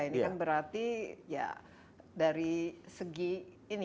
ini kan berarti ya dari segi ini